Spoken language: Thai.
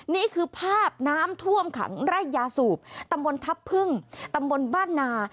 นี่คือภาพน้ำท่วมขังไร่ยาสูบตำบลทัพพึ่งตำบลบ้านนา